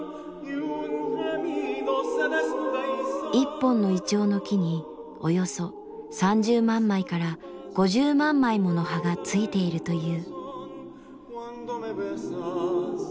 一本の銀杏の木におよそ３０万枚から５０万枚もの葉がついているという。